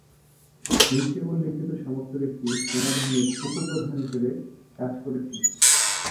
নিচে উল্লিখিত সমস্ত ব্যক্তি সেনাবাহিনীর উপ-প্রধান হিসাবে কাজ করেছেন।